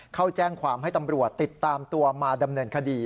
เข้าแจ้งความให้ตำรวจติดตามตัวมาดำเนินคดี